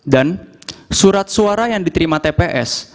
dan surat suara yang diterima tps